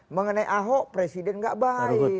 mengenai ahok presiden nggak baik